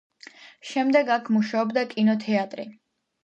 შემდეგ აქ მუშაობდა კონოთეატრი.